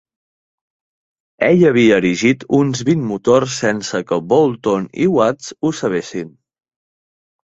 Ell havia erigit uns vint motors sense que Boulton i Watts ho sabessin.